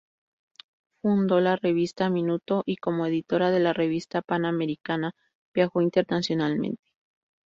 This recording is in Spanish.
Fundó la "Revista" Minuto y como editora de la "Revista Pan-Americana", viajó internacionalmente.